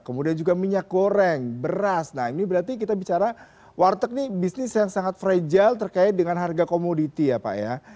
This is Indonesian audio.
kemudian juga minyak goreng beras nah ini berarti kita bicara warteg ini bisnis yang sangat fragile terkait dengan harga komoditi ya pak ya